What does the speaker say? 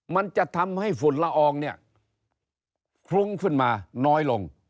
มันจะทำให้ฝุ่นละอองเนี่ยคลุ้งขึ้นมาน้อยลง